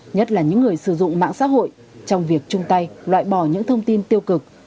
nhất là những người sử dụng mạng xã hội trong việc chung tay loại bỏ những thông tin tiêu cực